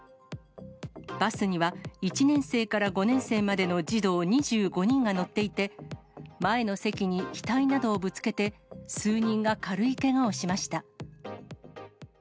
バスには１年生から５年生までの児童２５人が乗っていて、前の席に額などをぶつけて、数人が軽いけがをしました。